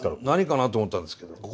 何かなと思ったんですけど。